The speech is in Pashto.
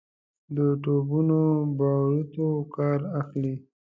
د توپونو باروتو کار اخلي.